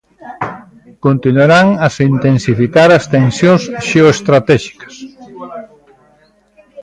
Continuarán a se intensificar as tensións xeoestratéxicas?